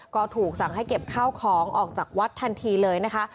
ก็ถูกสั่งให้เก็บข้าวของออกจากวัดทันทีเลยนะคะ